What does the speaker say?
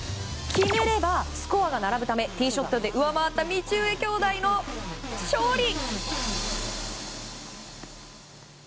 決めればスコアが並ぶためティーショットで上回った道上兄妹の勝利。